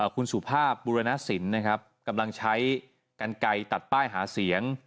คุณสุภาพบุรณสินนะครับกำลังใช้กันไกลตัดป้ายหาเสียง